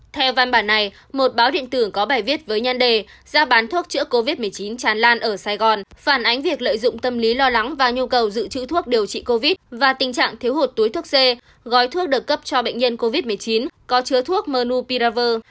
theo văn bản này một báo điện tử có bài viết với nhan đề ra bán thuốc chữa covid một mươi chín tràn lan ở sài gòn phản ánh việc lợi dụng tâm lý lo lắng và nhu cầu dự trữ thuốc điều trị covid và tình trạng thiếu hụt túi thuốc c gói thuốc được cấp cho bệnh nhân covid một mươi chín có chứa thuốc menu piraver